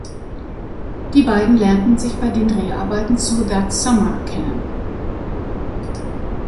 Die beiden lernten sich bei den Dreharbeiten zu "That Summer" kennen.